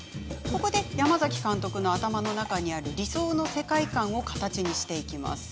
ここで、山崎監督の頭の中にある理想の世界観を形にします。